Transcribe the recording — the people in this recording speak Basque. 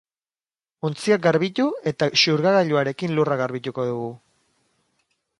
Ontziak garbitu eta xurgagailuarekin lurra garbituko dugu.